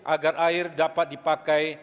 agar air dapat dipakai